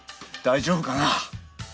大丈夫かな？